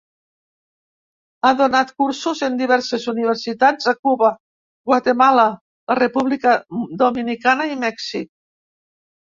Ha donat cursos en diverses universitats a Cuba, Guatemala, la República Dominicana i Mèxic.